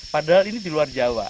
padahal ini di luar jawa